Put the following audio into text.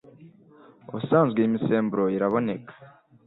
Ubusanzwe iyi misemburo iraboneka